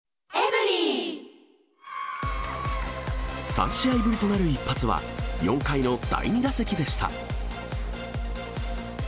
３試合ぶりとなる一発は４回の第２打席でした。